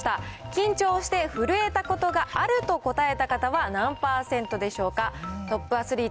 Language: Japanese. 緊張して震えたことがあると答えた方は何％でしょうか。